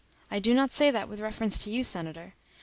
I do not say that with reference to you, senator.